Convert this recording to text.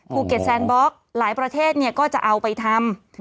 แซนบล็อกหลายประเทศก็จะเอาไปทำ